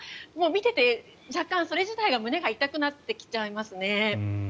見ていて、それ自体が胸が痛くなってきちゃいますね。